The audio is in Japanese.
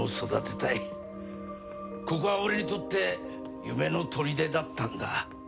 ここは俺にとって夢の砦だったんだ。